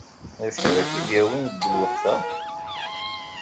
D acu ara k-id-yawin deg lweqt-a?